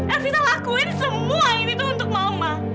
evita lakuin semua ini tuh untuk mama